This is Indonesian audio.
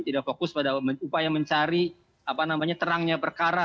tidak fokus pada upaya mencari apa namanya terangnya perkara